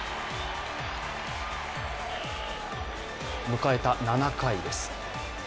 迎えた７回です。